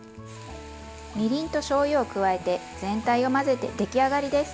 みりんとしょうゆを加えて全体を混ぜて出来上がりです。